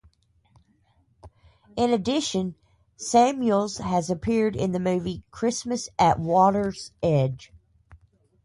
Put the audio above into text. In addition, Samuels has appeared in the movie "Christmas At Water's Edge".